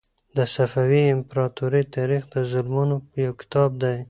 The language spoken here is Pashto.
د صفوي امپراطورۍ تاریخ د ظلمونو یو کتاب دی.